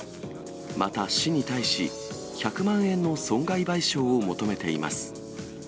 また、市に対し、１００万円の損害賠償を求めています。